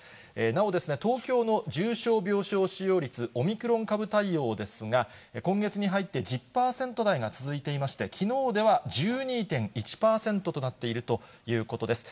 なお東京の重症病床使用率、オミクロン株対応ですが、今月に入って１０％台が続いていまして、きのうでは１２．１％となっているということです。